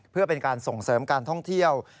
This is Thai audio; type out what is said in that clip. เพื่อเป็นการส่งเสริมการท่องเที่ยว